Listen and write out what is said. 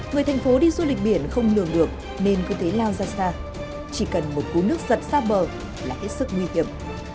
người thành phố đi du lịch biển không lường được nên cứ thế lao ra xa chỉ cần một cú nước giật xa bờ là hết sức nguy hiểm